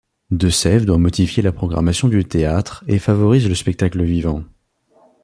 DeSève doit modifier la programmation du théâtre et favorise le spectacle vivant.